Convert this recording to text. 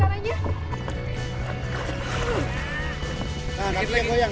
nah gampang ya goyang gak pake benang